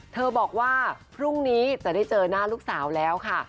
บอกว่าพรุ่งนี้จะได้เจอหน้าลูกสาวแล้วค่ะ